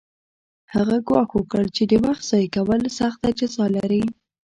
هغه ګواښ وکړ چې د وخت ضایع کول سخته جزا لري